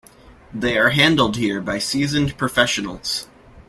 They are handled here by seasoned professionals.